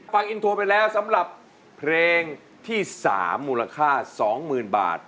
ฟังอินโทรไปแล้วสำหรับเพลงที่๓มูลค่า๒๐๐๐บาท